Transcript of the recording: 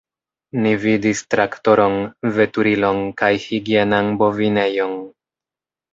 Ni vidis traktoron, veturilon kaj higienan bovinejon.